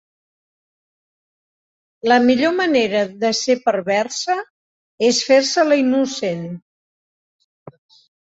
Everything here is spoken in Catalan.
La millor manera de ser perversa és fer-se la innocent.